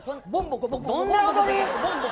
どんな踊り？